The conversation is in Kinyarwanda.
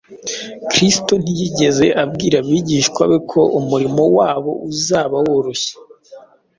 Kristo ntiyigeze abwira abigishwa be ko umurimo wabo uzaba woroshye.